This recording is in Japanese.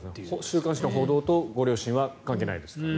週刊誌の報道とご両親は関係ないですからね。